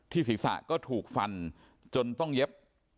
ศีรษะก็ถูกฟันจนต้องเย็บ